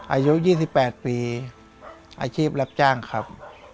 อายุ๒๘ปีอาชีพรับจ้างครับ